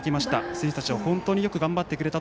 選手たちは本当によく頑張ってくれた。